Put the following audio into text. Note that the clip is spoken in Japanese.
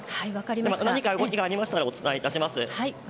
何か動きがありましたらお伝え致します。